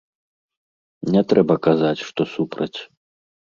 Не трэба казаць, што супраць.